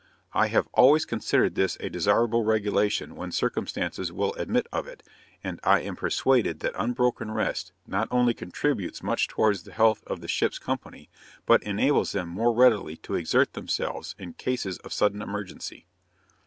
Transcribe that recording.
I have always considered this a desirable regulation when circumstances will admit of it, and I am persuaded that unbroken rest not only contributes much towards the health of the ship's company, but enables them more readily to exert themselves in cases of sudden emergency.'